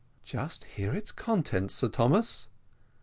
"Just hear its contents, Sir Thomas."